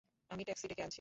আমি ট্যাক্সি ডেকে আনছি।